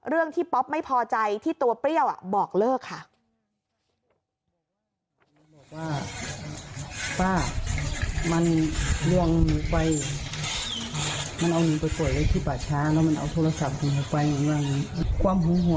เรื่องที่ป๊อปไม่พอใจที่ตัวเปรี้ยวบอกเลิกค่ะ